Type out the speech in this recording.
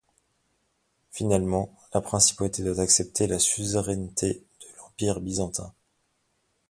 Finalement, la principauté doit accepter la suzeraineté de l'Empire byzantin.